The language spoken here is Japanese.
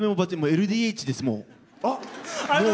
ＬＤＨです、もう。